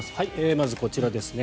まずこちらですね。